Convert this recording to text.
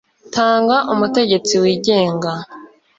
tanga umutegetsi wigenga